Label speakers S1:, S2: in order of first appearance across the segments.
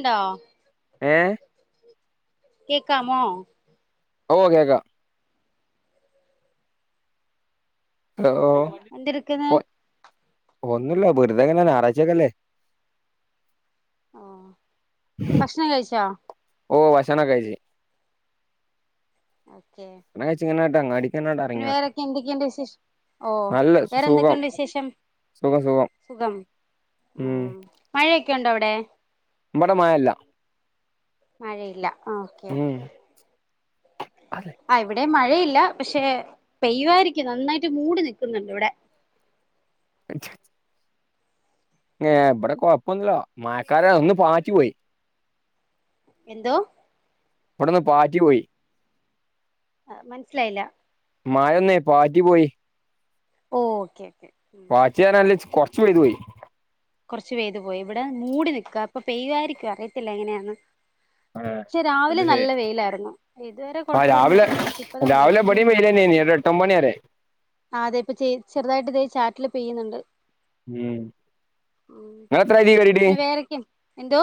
S1: ണ്ടോ
S2: ഏഹ്
S1: കേക്കാമോ
S2: ഓ കെക്കാം ഓഓ
S1: എന്തെടുക്ക്ന്ന്
S2: പോ ഒന്നുല്ല വെറുതങ്ങനെ ഞായറാഴ്ചക്കല്ലേ
S1: ഓ ഭക്ഷണം കഴിച്ചോ
S2: ഓ ഭക്ഷണം കഴിച്ച്
S1: ഓക്കെ
S2: ഇങ്ങനാട്ട് അങ്ങാടിക്കങ്ങാട്ട്
S1: പിന്ന
S2: ഇറങ്ങിയാ
S1: വേറെക്കെ എന്തൊക്കെയുണ്ട് വിശേഷം ഓ
S2: നല്ല സുഖം
S1: വേറെന്തൊക്കെയുണ്ട് വിശേഷം സുഖം ഉം മഴയൊക്കെ ഉണ്ടോ അവിടെ
S2: ഇവിടെ മഴ ഇല്ല
S1: മഴയില്ല ഓക്കെ
S2: ഉം അതെ,
S1: ഇവിടെയും മഴ മഴയില്ല പക്ഷെ പെയ്യുവായിരിക്കും നന്നായിട്ട് മൂടി നിക്കുന്നുണ്ട് ഇവിടെ
S2: [inaudible] ഏ ഇവിടെ കൊഴപ്പൊന്നുല്ല മഴക്കാല ഒന്ന് പാറ്റി പോയി.
S1: എന്തോ
S2: ഇവിടൊന്ന് പാറ്റി പോയി.
S1: ആ മനസ്സിലായില്ല
S2: മഴന്നേ പാറ്റി പോയി
S1: ഓ ഓക്കേ ഓക്കേ
S2: വാച് നനയനല്ലെച് കൊറച്ച് പെയ്തു പോയി.
S1: കുറച്ചു പെയ്തു പോയി ഇവിടെ മൂടി നക്കുവ ഇപ്പൊ പെയുവായിരിക്കും അറിയത്തില്ല എങ്ങനെയന്ന്.
S2: ആ
S1: പക്ഷെ
S2: അത്
S1: രാവിലെ
S2: ശരി
S1: നല്ല വെയിലായിരുന്നു ഇതുവരെ
S2: ആ
S1: കൊഴപ്പൊന്നു ഇല്ലായിരുന്നു പക്ഷെ ഇപ്പതാ മൂടി.
S2: ഏഴു, എട്ട് ഒൻപത് മണി വരെ
S1: ആ അതെ ഇപ്പൊ ചെറുതായിട്ട് ഇതേ ചാറ്റല് പെയ്യുന്നുണ്ട്.
S2: ഉം നിങ്ങള് എത്രായി ഇതില് കേറിയിട്ട്
S1: പിന്നെ വേറെക്കെയും എന്തോ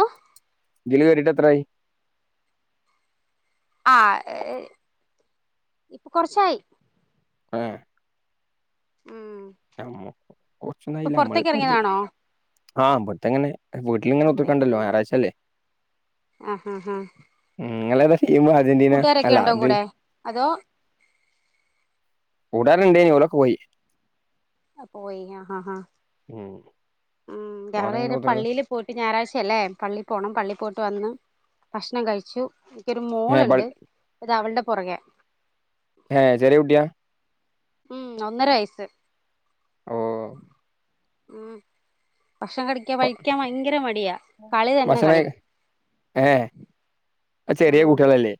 S2: ജല കയറിട്ട എത്രായി
S1: ആ ഏ ഇപ്പൊ കൊറച്ചായി
S2: [unintelligible]
S1: ഉം ഇപ്പൊ
S2: കുറച്ചൊന്നായില്ല നമ്മള്
S1: പുറത്തേക്ക്
S2: ഇപ്പ
S1: ഇറങ്ങിയതാണോ
S2: ആഹ് അമ്പടുത്തെങ്ങനെ വീട്ടിലിങ്ങനെ
S1: പുറത്തേക്ക്
S2: ഒത്തക്കണ്ടല്ലോ
S1: ഇറങ്ങിയതാ
S2: ഞായറാഴ്ച അല്ലെ
S1: ആ ആ ആ
S2: നിങ്ങത അർജന്റീന
S1: കൂട്ടുകാരൊക്കെ
S2: അല്ല
S1: ഉണ്ടോ
S2: അതിന്
S1: കൂടെ അതോ
S2: കൂടാനുണ്ട് ഓലൊക്കെ പോയി
S1: പോയി ആ ആ
S2: ഉം
S1: ഉ
S2: ഓലങ്ങനെ
S1: വറെ
S2: കുത്തിർക്ക
S1: പള്ളിയില് പോയിട്ട് ഞായറാഴ്ച ഇല്ലേ പള്ളി പോണം പള്ളി പോയിട്ട് വന്ന് ഭക്ഷണം കഴിച്ചു എനിക്ക് ഒരു
S2: ഏ ബൾ
S1: മോളുണ്ട് അത് അവളുടെ പുറകെ
S2: ഹഹ ചെറ കുട്ടിയ
S1: ഉം ഒന്നര വയസ്
S2: ഓ
S1: ഉം ഭക്ഷണം കടിക്കാ കഴിക്കാൻ ഭയങ്കര മടിയാ കളി തന്നെ കളി
S2: ആ ചെറിയ
S1: ഉം
S2: കുട്ടികളല്ലേ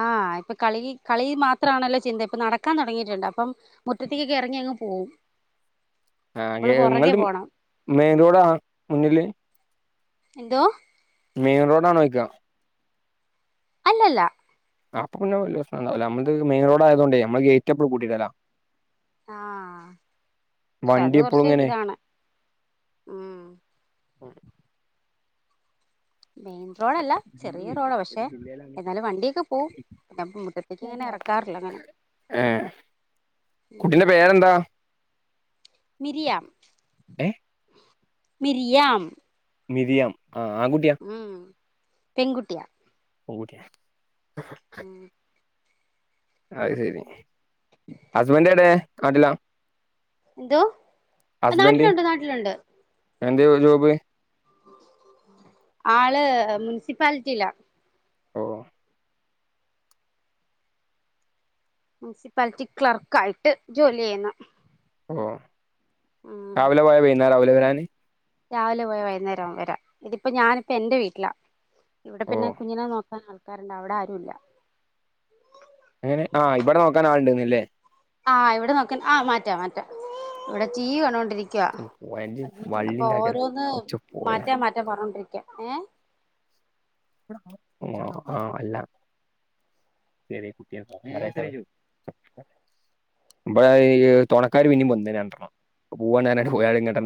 S1: ആഹ് ഇപ്പൊ കളി കളി മാത്രമാണല്ലോ ചിന്ത ഇപ്പൊ നടക്കാൻ തുടങ്ങിയിട്ടുണ്ട് അപ്പം മുറ്റത്തേക്കക്കെ ഇറങ്ങി പോവും
S2: ആ
S1: ഇവള്
S2: നിങ്ങള
S1: പുറകെ പോണം
S2: മെയിൻറോഡാ മുന്നില്
S1: എന്തോ
S2: മെയിൻ റോഡ ആണോ നോക്കാ
S1: അല്ലല്ല
S2: അപ്പൊ വലിയ മെയിൻ റോഡ് ആയത് കൊണ്ടേ നമ്മള് ഗേറ്റപ്പും പൂട്ടിടില
S1: ആഹ് പക്ഷെ അത്
S2: വണ്ടി എപ്പളും
S1: കൊറച്ച്
S2: ഇങ്ങനെ
S1: ഇതാണ് ഉം
S2: പറ
S1: മെയിൻ റോഡല്ല ചെറിയ റോഡാണ് പക്ഷേ എന്നാലും വണ്ടിയൊക്കെ പോവും പിന്നെ മുറ്റത്തേക്ക് ഇങ്ങനെ ഇറക്കാ റില്ല അങ്ങനെ
S2: ഏ കുട്ടീന്റെ പേരെന്താ
S1: മിരിയ
S2: ഏ
S1: മിരിയാം
S2: മിരിയാം ആ ആൺകുട്ടിയാ
S1: പെൺകുട്ടി
S2: [unintelligible]
S1: [unintelligible]
S2: അത് ശെരി ഹസ്ബൻഡ് എവിടെ നാട്ടില
S1: എന്തോ നാട്ടിലുണ്ട് നാട്ടിലുണ്ട്
S2: എന്ത് ജോബ്
S1: ആള് മുനിസിപ്പാലിറ്റിയില
S2: ഓ
S1: മുനിസിപ്പാലിറ്റി ക്ലർക്ക് ആയിട്ട് ജോലി ചെയ്യുന്നു
S2: ഓ
S1: ഉം
S2: രാവിലെ പോയാൽ പിന്നെ രാവിലെ വരാനു
S1: രാവിലെ പോയാ വൈകുന്നേരം വരാൻ ഇതിപ്പോ ഞാനിപ്പ എന്റെ വീട്ടിലാ ഇവിടെ
S2: ഓ
S1: പിന്നെ കുഞ്ഞിനെ നോക്കാൻ ആൾക്കാരുണ്ട് അവിടെ ആരും ഇല്ല
S2: അങ്ങനെ ആ ഇവിടെ നോക്കാൻ ആളണ്ടന്നല്ലേ
S1: ആഹ് ഇവിടെ നോക്കാൻ ആ മാറ്റാ മാറ്റാ ഇവിടെ ടി വി കണ്ടോണ്ടിരിക്കുവാ
S2: പോയന്റ്
S1: അപ്പൊ
S2: വള്ളിണ്ടാക്കല്ലേ
S1: ഓരോന്ന്
S2: കൊറച്ച് പോയാ
S1: മാറ്റാ മാറ്റാ പറഞ്ഞോണ്ടിരിക്ക ഏ
S2: ഓ ആഹ് അല്ല ചെറിയ കുട്ടിയ ഇമ്മ ഈ തുണക്കാാര് പിന്ന പോന്നണം പോവൻ ഞാന പോങ്ങട്ട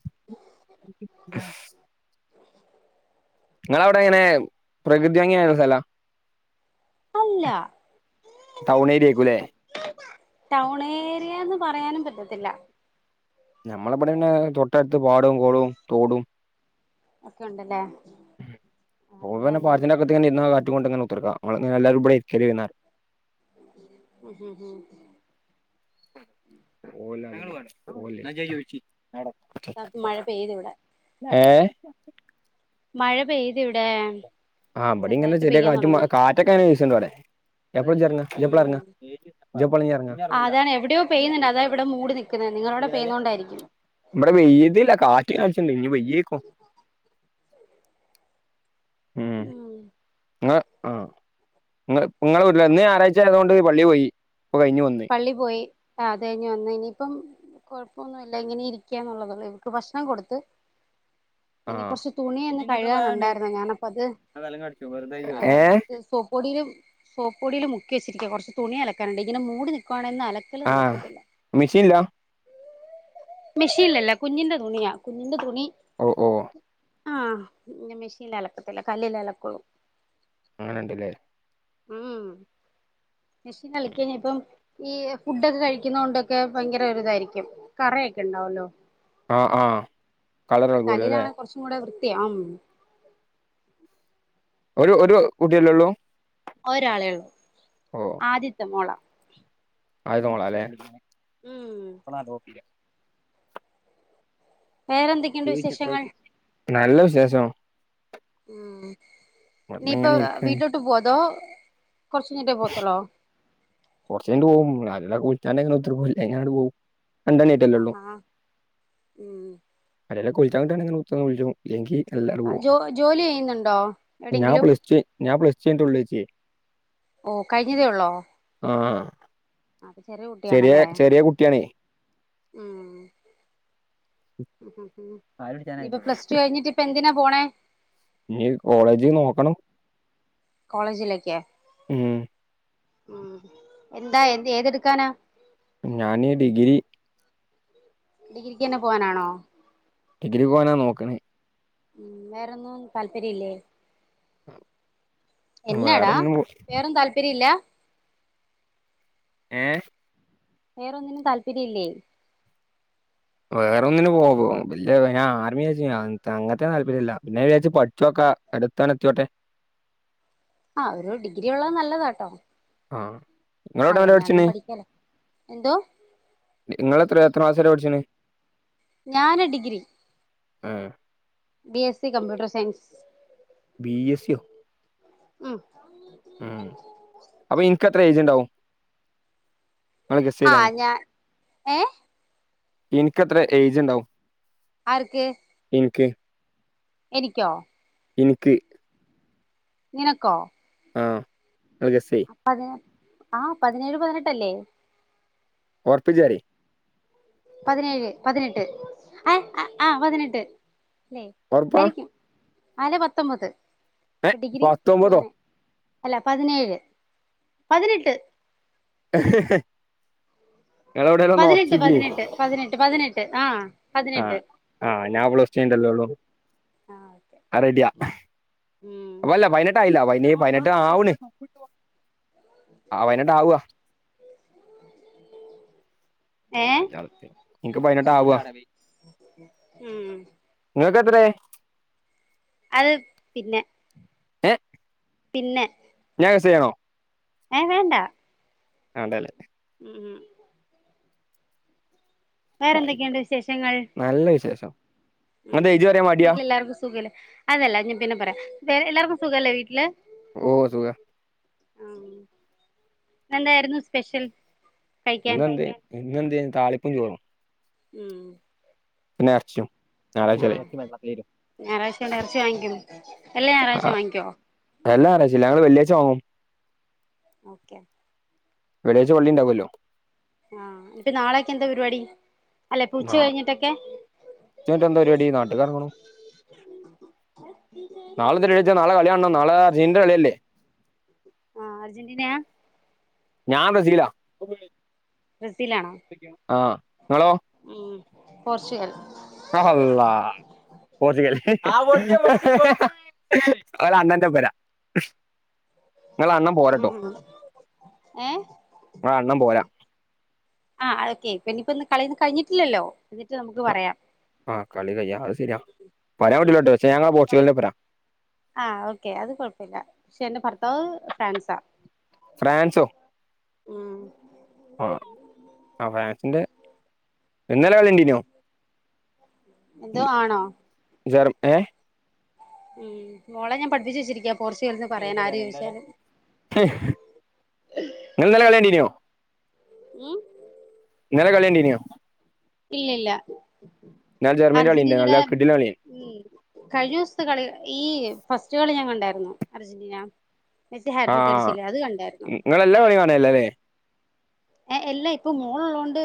S1: [unintelligible]
S2: നിങ്ങവിടെ എങ്ങനെ പ്രകൃതി ഭംഗിയുള്ള സ്ഥലാ
S1: അല്ല
S2: ടൗൺ ഏരിയ ആയിരിക്കൂല്ലേ
S1: ടൗൺ ഏരിയ എന്ന് പറയാനും പറ്റത്തില്ല
S2: ഞമ്മളെവിടെ പിന്നെ തൊട്ടടുത്ത് പാടവും കുളവും തോടും
S1: ഒക്കെ ഉണ്ടല്ലേ
S2: [unintelligible]
S1: ആഹ് ഇവിടെ അതൊന്നുല്ല ഉം ഉം ഉം മഴ പെയ്ത് ഇവിടെ
S2: [unintelligible] ഓ ഏ
S1: മഴ പെയ്ത് ഇവിടെ
S2: ആഹ് ഇബടിം ഇങ്ങനെ
S1: ചെറുതായിട്ട്
S2: ചെറിയ
S1: പെയ്യാൻ
S2: കാറ്റും മ
S1: തുടങ്ങി
S2: കാറ്റൊക്കെ അങ്ങനെ വീശ്ണ്ട് ഇവിടെ ഇയ്യ് എപ്പളാ ഇജ്ജ് എറങ്ങാ ഇയ്യ് എപ്പളാ
S1: ഉം
S2: എറങ്ങാ ഇജ്ജ് എപ്പളാ ഇഞ്ഞ് എറങ്ങാ
S1: അതാണ് എവിടെയോ പെയ്യുന്നുണ്ട് അതാ ഇവിടെ മൂടി നിക്കുന്നത് നിങ്ങളവിടെ പെയ്യുന്നത് കൊണ്ടായിരിക്കും
S2: ഇവിടെ പെയ്തില്ല കാറ്റ് കാറ്റടിച്ചുണ്ട് ഇനി പെയ്യും ഇപ്പോ ഉം അ ആ നിങ്ങ നിങ്ങള വീട്ടില ഇന്ന് ഞാറാഴ്ച ആയത് കൊണ്ട് പള്ളി പോയി ഇപ്പൊ കഴിഞ്ഞ് വന്ന്
S1: പള്ളി പോയി അത് കഴിഞ്ഞു വന്ന് ഇനിയിപ്പം കൊഴപ്പൊന്നും ഇല്ല എങ്ങനെ ഇരിക്കാന്നുള്ളതള്ളൂ ഇവർക്ക് ഭക്ഷണം കൊടുത്ത് ഇനി
S2: ആഹ്
S1: കുറച്ച് തുണി ഒന്ന് കഴുകാനുണ്ടായിരുന്ന ഞാനപ്പ അത് ആ
S2: ഏഹ്
S1: സോപ്പൊടിയിലും സോപ്പൊടിയിലും മുക്കി കുറച്ച് തുണി അലക്കാനുണ്ട് ഇങ്ങനെ മൂടി നിക്കുവാ
S2: ആഹ മെഷീനില
S1: മെഷീനിലല്ല കുഞ്ഞിന്റെ തുണിയാ കുഞ്ഞിന്റെ തുണി
S2: ഒ ഓ
S1: ആഹ് ഇ മെഷീൻൽ അലക്കത്തില്ല കല്ലിൽ അലക്കൂള്ളൂ
S2: അങ്ങനെണ്ട്ല്ലേ
S1: ഉം മെഷീൻ അലയ്ക്ക ഇപ്പം ഈ ഫുഡൊക്കെ കഴിക്കുന്ന കൊണ്ടൊക്കെ ഭയങ്കര ഒരു ഇതായിരിക്കും കറൊക്കെ ഇണ്ടാവല്ലോ
S2: ആഹ് ആഹ് കളർ എളകുവല്ലോ ല്ലേ
S1: കല്ലിലന്നെ കുറച്ചും കൂടെ വൃ ത്തി ആം
S2: ഒരു ഒരു കുട്ടിയല്ലേ ഉള്ളൂ
S1: ഒരാളേള്ളൂ ആദ്യത്തെ മോളാ
S2: ആദ്യത്തെ മോളാ ല്ലേ
S1: ഉം വേറെന്തൊക്കെയുണ്ട് വിശേഷങ്ങൾ
S2: നല്ല വിശേഷം
S1: ഉം നീ ഇപ്പൊ
S2: ഇവടങ്ങനെ ഇരിക്കാണ്
S1: വീട്ടിലോട്ട് പോതോ കൊറച്ചയ്ഞ്ഞിട്ടേ പോത്തലോ
S2: കുറചൈഞ്ഞിട്ട് പോവും അളിച്ചങ്ങന ഒ പോനാട് പോവും രണ്ടെണ്ണീറ്റല്ലേള്ളൂ
S1: ആ ഉമ്
S2: അരെല്ല കൊളിച്ചാണ്ടാണ് [inaudible] ഇല്ലങ്കിൽ എല്ലരും പോ
S1: ജോ ജോലി ചെയ്യുന്നുണ്ടോ
S2: ഞാൻ
S1: എവിടെയെങ്കിലും
S2: പ്ലസ് ടു ഞാൻ പ്ലസ്ടു കൈഞ്ഞിട്ടുള്ളു ചേച്ചി
S1: ഓ കഴിഞ്ഞതേ ഉള്ളോ
S2: ആഹ
S1: അപ്പം ചെറിയ കുട്ടിയാണല്ലേ ഉമ് ഇപ്പൊ പ്ലസ് ടു കഴിഞ്ഞിട്ട് ഇപ്പൊ എന്തിനാ പോണേ
S2: ഞ് കോളേജ് നോക്കണം
S1: കോളേജിലേക്ക്
S2: ഉം
S1: ഉം എന്താ എത് ഏതെടുക്കാനാ
S2: ഞാന് ഡിഗ്രി
S1: ഡിഗ്രിക്കന്ന പോവാനാണോ
S2: ഡിഗ്രി പോവാനാ നോക്കണേ
S1: ഉം വേറൊന്നും താല്പര്യല്ലേ എന്നാടാ
S2: വേറൊന്നും
S1: വേറൊന്നും താല്പര്യല്ല
S2: ഏ
S1: വേറൊന്നിനും താല്പര്യല്ലേ
S2: വേറൊന്നിന് പോകോ ഇല്ല ഞാൻ ആർമിച് അങ്ങത്തെ താല്പര്യല്ല പിന്നെ വിചാരിച്ച് പഠിച്ചോക്കാ അടുത്താണ് എത്തിയോട്ടെ
S1: ആ ഒരു ഡിഗ്രി ഉള്ളത് നല്ലതാട്ടോ
S2: ആ
S1: അതെ ഞാനും പഠിക്കാലേ എന്തോ
S2: നിങ്ങള് എത്രയാ എത്ര ക്ലാസ്സ്‌ വരെ പഠിച്ച്ണ്
S1: ഞാന് ഡിഗ്രി
S2: ആ
S1: B S C computer science
S2: B A സിയോ
S1: ഉം
S2: ഉം അപ്പൊ എനക്ക്ത്ര ഏജ്ണ്ടാവും
S1: ആ ഞാൻ ഏ
S2: എനിക്കത്ര ഏജ്ണ്ടാവും
S1: ആർക്ക്
S2: ന്ക്ക്
S1: എനിക്കോ
S2: ഇനക്ക്
S1: നിനക്കോ
S2: ആ ഒന്ന് ഗസ്സ് ചെയ്
S1: ആ പതിനേഴ് പതിനെട്ടല്ലേ
S2: ഓർപ്പചാരി
S1: പതിനേഴ് പതിനെട്ട് ആ ആ പതിനെട്ട് അല്ലേ
S2: ഉറപ്പാ
S1: ആയിരിക്കും അല്ലേ പത്തൊമ്പത്
S2: ഏ
S1: ഇപ്പൊ ഡിഗ്രി
S2: പത്തൊമ്പതോ
S1: പോവാണ് അല്ല പതിനേഴ് പതിനെട്ട്
S2: [inaudible] എവിടെയെങ്കിലും ഒന്ന്
S1: പതിനെട്ട്
S2: ഉറപ്പിക്ക്
S1: പതിനെട്ട് പതിനെട്ട് പതിനെട്ട് ആ
S2: ആഹ് ആഹ് ഞാൻ അവളസ് ചെയണ്ടല്ലോള്ളൂ
S1: ആഹ്
S2: ആ റെഡിയാ
S1: ഉം
S2: അപ്പ അല്ല പയിനെട്ടായില്ല പ ഇനി പയിനെട്ട് ആവ്ണ് ആ പയിനെട്ട് ആവുവാ
S1: ഏ
S2: നക്ക് പതിനെട്ട് ആവുവ
S1: ഉം
S2: ങ്ങക്കാ എത്രയേ
S1: അത് പിന്നെ
S2: ഏ
S1: പിന്നെ
S2: ഞാൻ ചെയ്യണോ
S1: ഏ വേണ്ടാ
S2: ആ വേണ്ടാല്ലേ
S1: മ് മ് വേറെന്തൊക്കെയുണ്ട് വിശേഷങ്ങൾ
S2: നല്ല വിശേഷം
S1: ഉം
S2: എന്നിട്ട് ഏജ് പറയാൻ മടിയാ
S1: വീട്ടില് എല്ലാർക്കും സുഖല്ലേ അതല്ല ഞാൻ പിന്നെ പറയാം എല്ലാർക്കും സുഖല്ലേ വീട്ടില്
S2: ഓ സുഖയ
S1: ആ എെന്തായിരുന്നു സ്പെഷ്യൽ കഴിക്കാൻ
S2: നന്ത്ന്നന്തേന് താളെപ്പഞ്ചോറും
S1: ഉം
S2: സ്നാക്ഷ്യം
S1: ആഹ ഞായറാഴ്ച ഇറച്ച വാങ്ങിക്കുന്നു എല്ലാം ഞായറാഴ്ചം വാങ്ങിക്കുവോ
S2: എല്ലാ ആച്ചില്ല ഞങ്ങള് വെള്ളിയാഴ്ച വാങ്ങും
S1: ഓക്കെ
S2: വെള്ളിയാഴ്ച്ച പള്ളിണ്ടാവല്ലോ
S1: ആഹ ഇപ്പൊ നാളെയൊക്കെ എന്താ പരിപാടി അല്ല ഇപ്പൊ ഉച്ച
S2: ആ
S1: കഴിഞ്ഞിട്ടൊക്കെ
S2: എന്നിട്ട എന്താ പരിപാടി നാട്ടുകാാര കാണോ നാളെ തിച്ച നാളെ കളിയ നാളെീ കളിയല്ലേ
S1: ആഹ് അർജന്റീന
S2: ഞാൻ റസീലാ
S1: ബ്രസീൽാണോ
S2: ആഹ നിങ്ങളോ
S1: ഉം പോർച്ചുഗൽ
S2: ആ ഒ അണന്റെപ്പരാ നിങ്ങള അണംണം പോരട്ടോ
S1: ഉം ഏഹ്
S2: നിങ്ങള അണംൻ പോരാ
S1: ആഹ് ഓക്കെ പിന്നെയിപ്പോൊന്ന് കളയന്ന് കഴിഞ്ഞിട്ടില്ലല്ലോ എന്നിട്ട് നമുക്ക്
S2: ആ
S1: പറയാം
S2: ആ കളി കയ്യ അത് ശരിയാ പറയാൻ
S1: ഉം
S2: വട്ടില്ലോട്ട് പക്ഷേ ഞങ്ങ പോർച്ചുഗലിെ പോരാം
S1: ആഹ് ഓക്കെ അത് കൊഴപ്പില്ല പക്ഷെ എന്റെ ഭർത്താവ് ഫ്രാൻസാ
S2: ഫ്രാൻസോ
S1: ഉം
S2: ആ ആ ഫ്രാൻസിന്റെ എന്നല്ല കളണ്ടീനോ
S1: എന്ത ആണോ
S2: ജർ ഏ
S1: ഉം മോളെ ഞാൻ പഠിപ്പിച്ച വെച്ചിരിക്ക
S2: നിങ്ങ നല്ല കളണ്ടനോ
S1: ഉം
S2: ഇന്നലെ കളി ഉണ്ടീനോ
S1: ഇല്ലല്ല
S2: ഇന്നലെ ജർമ്മനിന്റെ കളി ഉണ്ട് നല്ല
S1: അർജന്റീനയുടെ
S2: കിടിലൻ കളിയാണ്
S1: ഉ കഴിഞ്ഞ ദിവസത്തെ കള ഈ ഫസ്റ്റ് ചോളി ഞങ്ങണ്ടായിരുന്നു അർജന്റീന മെസ്സി ഹാട്രിക്
S2: ആഹ
S1: അടിച്ചില്ലേ അത് കണ്ടായിരുന്നു
S2: നിങ്ങളെല്ലാം കണ കാണല്ലേല്ലേ
S1: ഏ എല്ലാ ഇപ്പൊ മോളള്ള കൊണ്ട്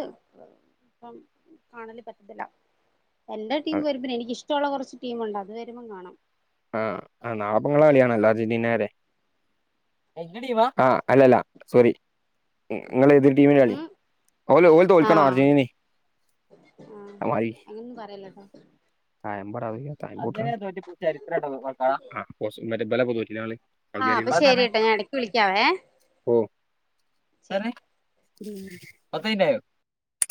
S1: ഇപ്പം കാണല് പറ്റത്തില്ല എന്റെ ടീം വരുമ്പോേ എനിക്ക് ഇഷ്ടമുള്ള കുറച്ച് ടീംുണ്ട് അത് വരുമ്പോം കാണാം
S2: ആ ആ നാളെ ഇപ്പൊ നിങ്ങളെ കളിയാണല്ലോ അല്ലല്ല സോ [inaudible] നിങ്ങ എതിരു ടീമിി
S1: ഉം
S2: ഓ ഓ തോൽക്കണം അർജന്റീനി
S1: ആഹ അങ്ങനൊ ഒന്നും പറയലോട്ടോ
S2: [unintelligible] മറ്റേ ബല പൊതുവട്ടില്ലെ ത
S1: ആഹ് അപ്പൊ ശരിട്ടോ ഞാൻ ഇടക്ക് വിളിക്കാവേ ശരി
S2: [unintelligible] പത നോ [unintelligible]